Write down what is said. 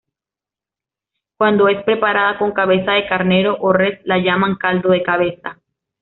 Cuando es preparada con cabeza de carnero o res, la llaman "caldo de cabeza".